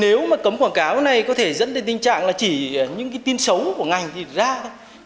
nếu mà cấm quảng cáo này có thể dẫn đến tình trạng là chỉ những cái tin xấu của ngành thì ra